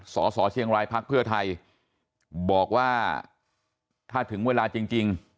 สสเชียงรายพักเพื่อไทยบอกว่าถ้าถึงเวลาจริง